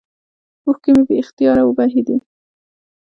اوښکې مې بې اختياره وبهېدې.